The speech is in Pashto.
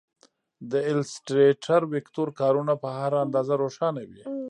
د ایلیسټریټر ویکتور کارونه په هر اندازه روښانه وي.